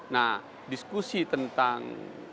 nah diskusi tentang